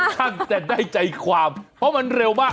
สังสัยแต่ใดใจความเพราะมันเร็วมาก